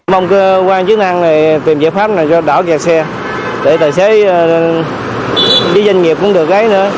mong cơ quan chức năng này tìm giải pháp này cho đỏ kẹt xe để tài xế đi doanh nghiệp cũng được đấy nữa